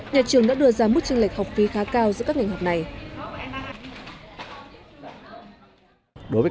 nhà trường đã đưa ra mức tranh lệch học vi khá cao